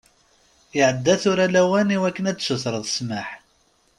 Iɛedda tura lawan i wakken ad tsutreḍ ssmaḥ.